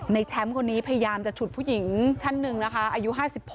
ในแชมป์คนนี้พยายามจะฉุดผู้หญิงท่านหนึ่งนะคะอายุ๕๖